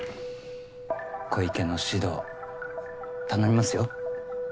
小池の指導頼みますよ。